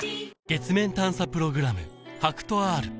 月面探査プログラム